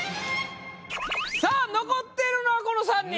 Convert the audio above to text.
さあ残っているのはこの三人。